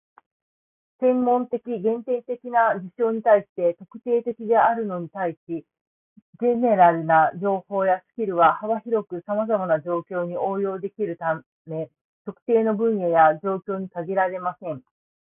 専門的、限定的な事象に対して「特定的」であるのに対し、"general" な情報やスキルは幅広くさまざまな状況に応用できるため、特定の分野や状況に限られません。